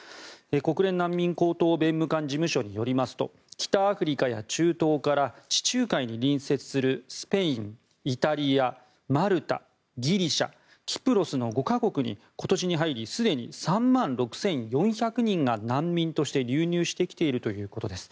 国連難民高等弁務官事務所によりますと北アフリカや中東から地中海に隣接するスペイン、イタリア、マルタギリシャ、キプロスの５か国に今年に入りすでに３万６４００人が難民として流入してきているということです。